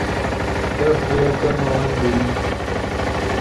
لوہ گولکے نے ون لئیم